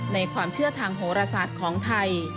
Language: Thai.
ในความเชื่อทางโหรศาสตร์ของไทย